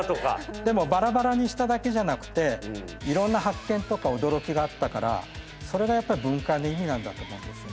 でもバラバラにしただけじゃなくていろんな発見とか驚きがあったからそれがやっぱり分解の意味なんだと思うんですね。